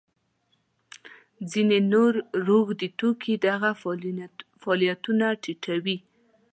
ځینې نور روږدي توکي دغه فعالیتونه ټیټوي.